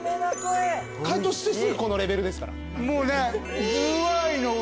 解凍してすぐこのレベルですから。